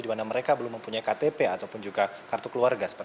di mana mereka belum mempunyai ktp ataupun juga kartu keluarga